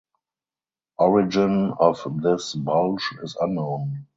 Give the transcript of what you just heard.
Origin of this bulge is unknown.